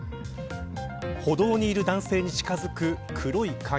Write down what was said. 歩道にいる男性に近づく黒い影。